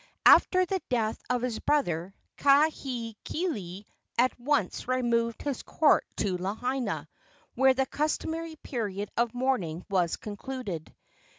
After the death of his brother, Kahekili at once removed his court to Lahaina, where the customary period of mourning was concluded.